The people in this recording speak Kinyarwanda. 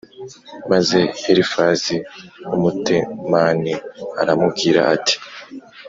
maze elifazi w’umutemani aramubwira ati